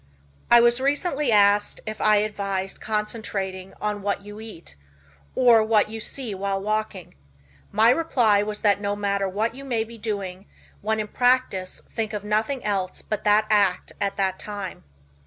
I was recently asked if I advised concentrating on what you eat, or what you see while walking. My reply was that no matter what you may be doing, when in practice think of nothing else but that act at the time.